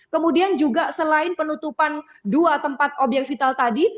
kemudian juga selain penutupan dua tempat obyek vital tadi